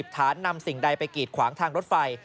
ฐานนำสิ่งใดไปกีดขวางทางรถไฟ